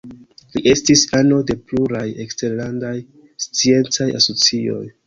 Li estis ano de pluraj eksterlandaj sciencaj asocioj.